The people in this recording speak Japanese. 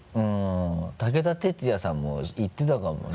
武田鉄矢さんも言ってたかもね。